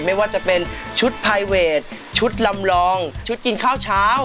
ไม่ว่าจะเป็นชุดไพเวทชุดลำลองชุดกินข้าวเช้า